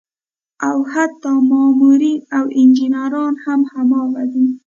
او حتا مامورين او انجينران هم هماغه دي